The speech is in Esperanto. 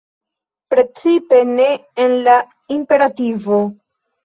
Precipe ne en la imperativo.